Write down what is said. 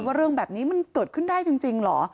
เรื่องแบบนี้มันเกิดขึ้นได้จริงเหรอ